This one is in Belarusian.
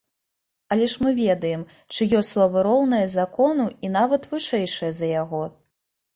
Але ж мы ведаем, чыё слова роўнае закону і нават вышэйшае за яго.